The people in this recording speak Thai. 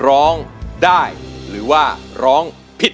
น้องตาชอบให้แม่ร้องเพลง๒๐